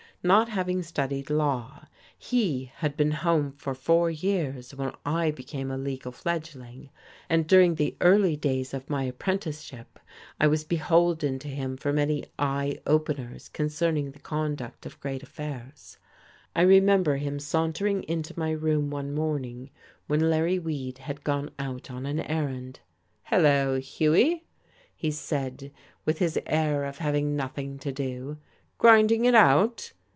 Not having studied law, he had been home for four years when I became a legal fledgling, and during the early days of my apprenticeship I was beholden to him for many "eye openers" concerning the conduct of great affairs. I remember him sauntering into my room one morning when Larry Weed had gone out on an errand. "Hello, Hughie," he said, with his air of having nothing to do. "Grinding it out?